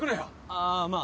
ああまあ